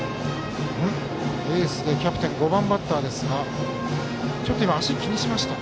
エースでキャプテン５番バッターですがちょっと今、足を気にしました。